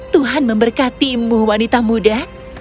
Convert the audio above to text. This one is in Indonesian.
tuhan memberkatimu wanita muda